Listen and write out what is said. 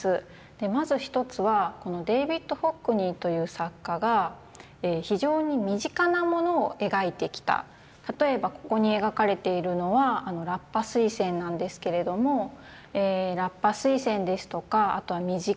まず一つはこのデイヴィッド・ホックニーという作家が非常に例えばここに描かれているのはラッパスイセンなんですけれどもラッパスイセンですとかあとは身近な人物たち